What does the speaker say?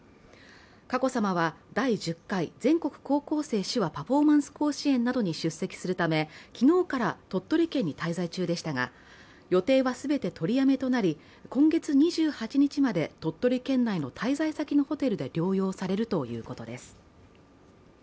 佳子さまは第１０回全国高校生手話パフォーマンス甲子園などに出席するため昨日から鳥取県に滞在中でしたが、予定は全て取りやめとなり、今月２８日まで鳥取県内の滞在先のホテルで療養されるということです。